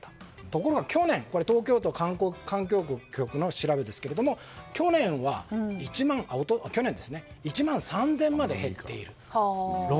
ところが去年東京都環境局の調べですが去年は１万３０００まで減っている。